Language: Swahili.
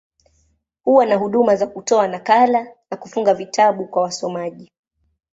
Huwa na huduma za kutoa nakala, na kufunga vitabu kwa wasomaji.